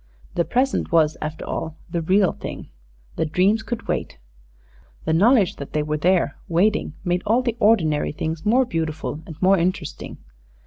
The present was after all the real thing. The dreams could wait. The knowledge that they were there, waiting, made all the ordinary things more beautiful and more interesting.